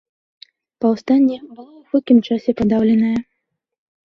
Паўстанне было ў хуткім часе падаўленае.